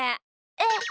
えっ？